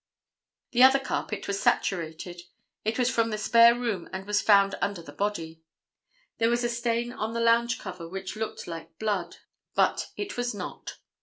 The other carpet was saturated. It was from the spare room and was found under the body. There was a stain on the lounge cover, which looked like blood, but it was not.